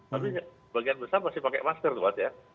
tapi bagian besar masih pakai masker tuan ya